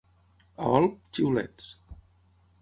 A Olp, xiulets.